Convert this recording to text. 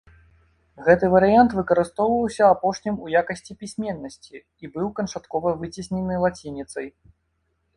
Гэты варыянт выкарыстоўваўся апошнім у якасці пісьменнасці і быў канчаткова выцеснены лацініцай.